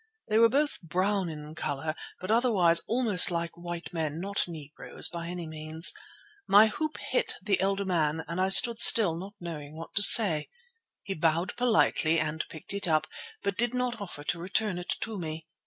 They were both brown in colour, but otherwise almost like white men; not Negroes by any means. My hoop hit the elder man, and I stood still, not knowing what to say. He bowed politely and picked it up, but did not offer to return it to me.